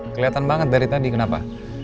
kelihatan banget dari tadi kenapa